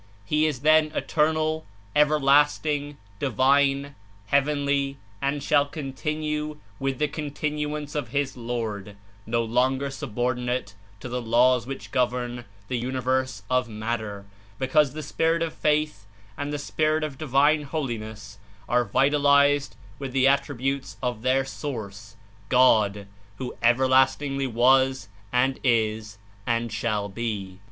He is then eternal, everlasting, divine, heaven ly, and shall continue with the continuance of his Lord, no longer subordinate to the laws which govern the universe of matter, be ^^^ cause the Spirit of Faith and the Spirit '""'"^ of Divine Holiness are vitalized with the Attributes of their Source, God, who everlastingly was, and Is, and shall be.